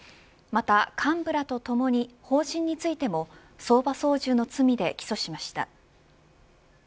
また幹部らとともに法人についても相場操縦の罪で起訴しました。